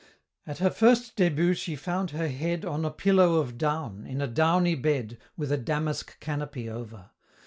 At her first début she found her head On a pillow of down, in a downy bed, With a damask canopy over.